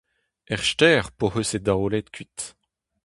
Er stêr p'hoc'h eus e daolet kuit.